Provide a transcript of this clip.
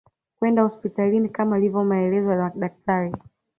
kwenda hospitalini kama yalivyo maelekezo ya madaktari